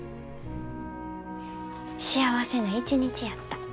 幸せな一日やった。